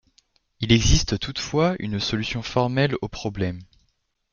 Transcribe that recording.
Il existe toutefois une solution formelle au problème.